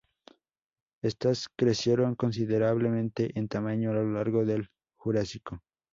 Estas crecieron considerablemente en tamaño a lo largo del Jurásico.